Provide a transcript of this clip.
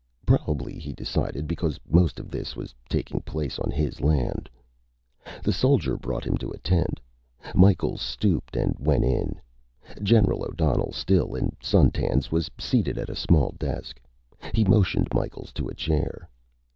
Probably, he decided, because most of this was taking place on his land. The soldier brought him to a tent. Micheals stooped and went in. General O'Donnell, still in suntans, was seated at a small desk. He motioned Micheals to a chair.